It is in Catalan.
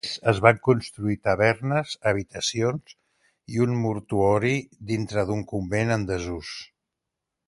A més, es van construir tavernes, habitacions i un mortuori dintre d'un convent en desús.